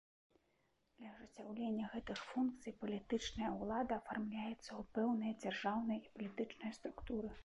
Для ажыццяўлення гэтых функцый палітычная ўлада афармляецца ў пэўныя дзяржаўныя і палітычныя структуры.